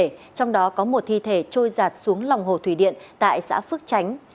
lực lượng tìm kiếm đã tìm được chín thi thể để trôi giặt xuống lòng hồ thủy điện tại xã phước chánh